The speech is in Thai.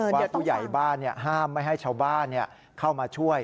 ผู้ใหญ่บ้านห้ามไม่ให้ชาวบ้านเข้ามาช่วย